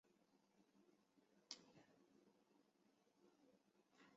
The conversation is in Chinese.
秘鲁草绳桥是印加帝国过峡谷和河流的简单吊索桥。